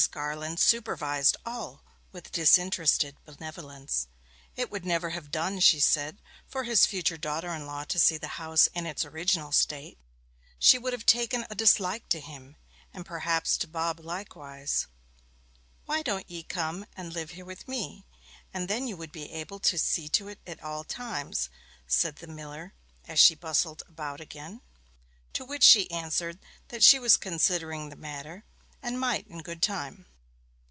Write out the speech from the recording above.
Garland supervised all with disinterested benevolence. It would never have done, she said, for his future daughter in law to see the house in its original state. She would have taken a dislike to him, and perhaps to Bob likewise. 'Why don't ye come and live here with me, and then you would be able to see to it at all times?' said the miller as she bustled about again. To which she answered that she was considering the matter, and might in good time.